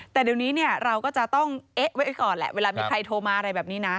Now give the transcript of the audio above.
แต่เดี๋ยวนี้เนี่ยเราก็จะต้องเอ๊ะไว้ก่อนแหละเวลามีใครโทรมาอะไรแบบนี้นะ